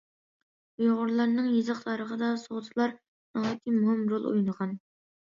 ئۇيغۇرلارنىڭ يېزىق تارىخىدا سوغدىلار ناھايىتى مۇھىم رول ئوينىغان.